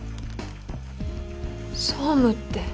総務って。